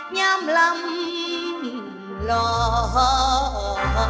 หญ้ามลำลอ